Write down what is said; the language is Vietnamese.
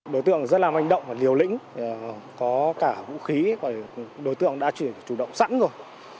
đối tượng rất là manh động và liều lĩnh có cả vũ khí đối tượng đã chuyển chủ động sẵn rồi